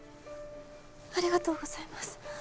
ありがとうございます。